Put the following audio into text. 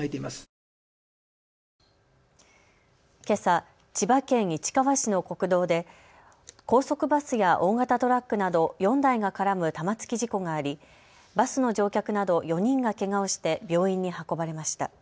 けさ、千葉県市川市の国道で高速バスや大型トラックなど４台が絡む玉突き事故がありバスの乗客など４人がけがをして病院に運ばれました。